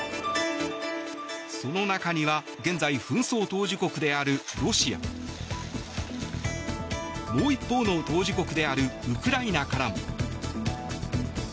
その中には現在、紛争当事国であるロシアもう一方の当事国であるウクライナからも。